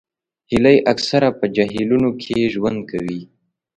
هیلۍ اکثره په جهیلونو کې ژوند کوي